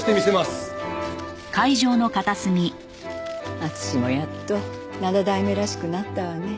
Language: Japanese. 敦もやっと７代目らしくなったわね。